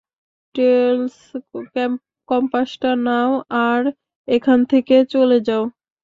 Tales, কম্পাসটা নাও আর এখান থেকে চলে যাও!